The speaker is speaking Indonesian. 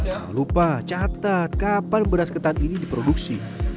jangan lupa catat kapan beras ketan ini diproduksi